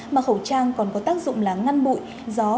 mà khẩu trang còn có tác dụng là ngăn bụi gió